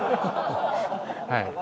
はい。